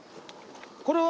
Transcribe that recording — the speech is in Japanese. これは？